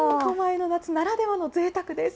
狛江の夏ならではのぜいたくです。